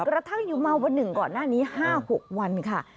รักษะอยุ่เมาวนหนึ่งก่อนหน้านี้๕๖วันค่ะ